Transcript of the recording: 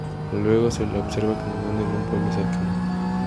Luego se la observa caminando en un pueblo cercano.